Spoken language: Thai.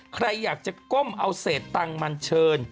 ใครอยากจะก้มเอาเศษตังค์มันเชิญ